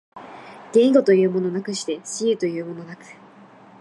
言語というものなくして思惟というものなく、